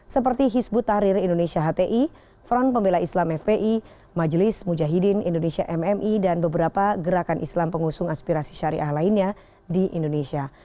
seperti hizbut tahrir indonesia hti front pembela islam fpi majelis mujahidin indonesia mmi dan beberapa gerakan islam pengusung aspirasi syariah lainnya di indonesia